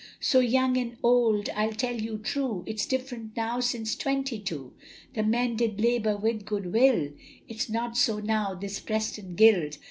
So young and old I'll tell you true, It's different now since twenty two, The men did labour with good will, It's not so now this Preston Guild.